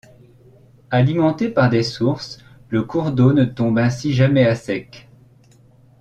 Alimenté par des sources, le cours d'eau ne tombe ainsi jamais à sec.